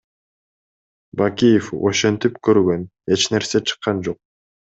Бакиев ошентип көргөн, эч нерсе чыккан жок.